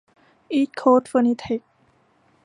อีสต์โคสท์เฟอร์นิเทค